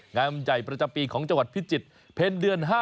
งานใหญ่ประจำปีของจังหวัดพิจิตรเพ็ญเดือน๕